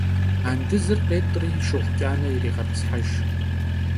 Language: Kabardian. Andızır khêt'ri şşığu ç'ane yirêğet'ıshejj.